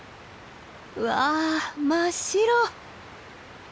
わ真っ白！